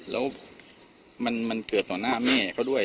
แล้วมันเกิดต่อหน้าแม่เขาด้วย